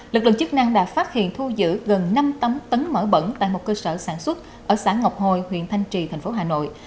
lực lượng chức năng đã phát hiện thu giữ gần năm tấn mỡ bẩn tại một cơ sở sản xuất ở xã ngọc hồi huyện thanh trì thành phố hà nội